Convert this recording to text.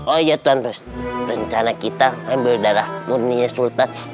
oh iya tuan terus rencana kita ambil darah murninya sultan